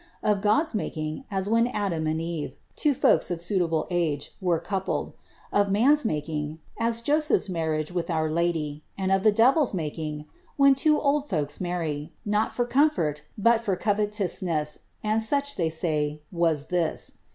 Of God's making, as when Adam and Eve, two folks of suitable age, were coupled ; of man's making, as Joseph's marriage with our lady ; and of the devil's making, where two old folks marry, not for comfort, bat for covetousness ; and such, they said, was this.